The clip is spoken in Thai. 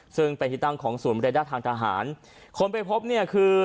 ซึ่งเป็นที่ตั้งของศูนย์เรด้าทางทหารคนไปพบเนี่ยคือ